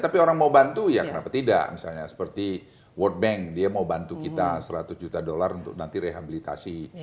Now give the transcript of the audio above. tapi orang mau bantu ya kenapa tidak misalnya seperti world bank dia mau bantu kita seratus juta dolar untuk nanti rehabilitasi